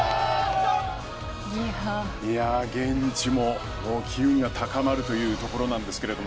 現地も機運が高まるというところなんですけど